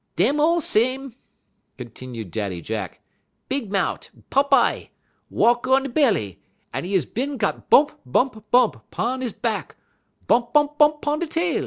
"Dem all sem," continued Daddy Jack. "Big mout', pop eye, walk on 'e belly; 'e is bin got bump, bump, bump 'pon 'e bahk, bump, bump, bump 'pon 'e tail.